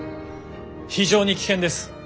非常に危険です。